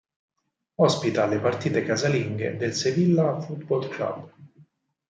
Ospita le partite casalinghe del Sevilla Fútbol Club.